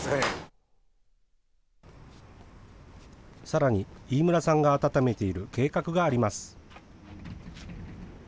さらに飯村さんが温めている計画があります。